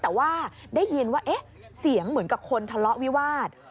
แต่ว่าได้ยินว่าเอ๊ะเสียงเหมือนกับคนทะเลาะวิวาส